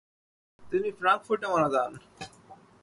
তিনি ফ্রাঙ্কফুর্টে মারা যান।